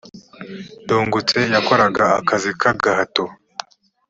ndungutse yakoraga akazi k’agahato